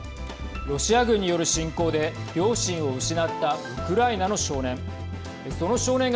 ロシア軍による侵攻で両親を失ったウクライナの少年。